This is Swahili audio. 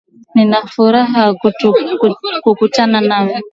Ninafuraha kukutana nawe